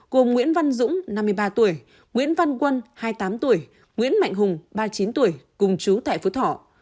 cùng nguyễn văn dũng năm mươi ba tuổi nguyễn văn quân hai mươi tám tuổi nguyễn mạnh hùng ba mươi chín tuổi cùng chú tải phú thỏ